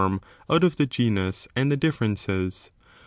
f^Ym out of the gcnus and the differences.